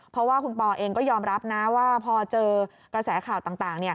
เพราะว่าคุณปอเองก็ยอมรับนะว่าพอเจอกระแสข่าวต่าง